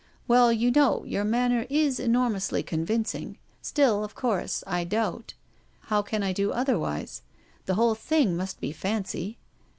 " Well, you know, your manner is enormously convincing. Still, of course, I doubt. How can I do otherwise ? The whole thing must be fancy."